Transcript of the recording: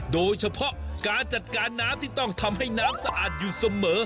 โดยเฉพาะการจัดการน้ำที่ต้องทำให้น้ำสะอาดอยู่เสมอ